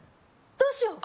どうしよう